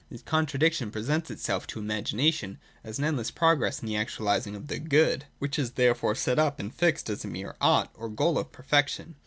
This contradiction presents itself to imagination as an endless progress in the actualising of the Good ; which is therefore set up and fixed as a mere ' ought,' or goal of perfection.